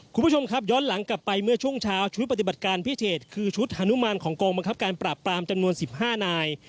คุณผู้ชมครับย้อนหลังกลับไปเมื่อช่วงเช้าชุดปฏิบัติการพิเศษคือชุดฮานุมานของกองบังคับการปราบปรามจำนวน๑๕นาย